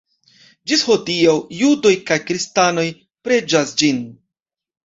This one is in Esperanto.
Ĝis hodiaŭ judoj kaj kristanoj preĝas ĝin.